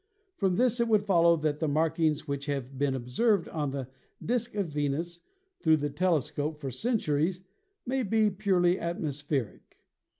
From this it would follow that the mark ings which have been observed on the disc of Venus through the telescope for centuries may be purely atmos pheric.